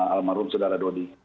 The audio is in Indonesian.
almarhum sudara dodi